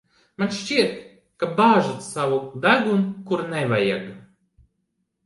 Man šķiet, ka bāžat savu degunu, kur nevajag.